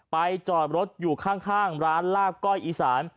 จอดรถอยู่ข้างร้านลาบก้อยอีสาน